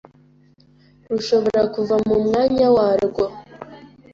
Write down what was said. Rushobora kuva mu mwanya warwo